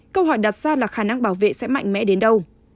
câu hỏi đặt ra là khả năng bảo vệ sẽ mạnh mẽ đến đâu